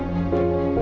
ya yang penting ilang ya